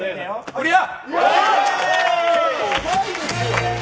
クリア。